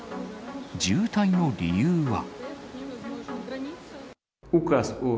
渋滞の理由は。